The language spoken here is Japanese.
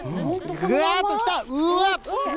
ぐわっときた、うわっ。